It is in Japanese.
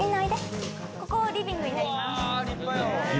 ここリビングになります。